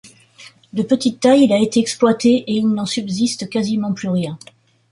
De petite taille, il a été exploité, et il n'en subsiste quasiment plus rien.